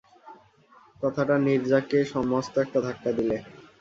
কথাটা নীরজাকে মস্ত একটা ধাক্কা দিলে।